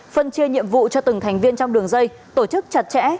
phân chia nhiệm vụ cho từng thành viên trong đường dây tổ chức chặt chẽ